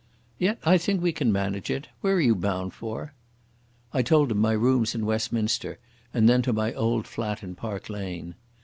"Yet I think we can manage it. Where are you bound for?" I told him my rooms in Westminster and then to my old flat in Park Lane.